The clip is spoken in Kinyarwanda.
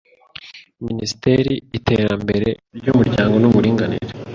Minisiteri Iterambere ry Umuryango n Uburinganire